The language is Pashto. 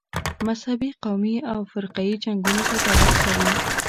مذهبي، قومي او فرقه یي جنګونو ته دعوت کوي.